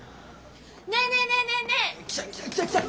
ねえねえねえねえねえ！来た！